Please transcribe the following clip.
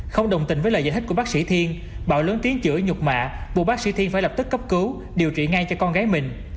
không đồng tình với lời giải thích của bác sĩ thiên bảo lớn tiếng chữa nhục mạ buộc bác sĩ thiên phải lập tức cấp cứu điều trị ngay cho con gái mình